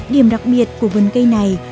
điểm đặc biệt của vườn cây này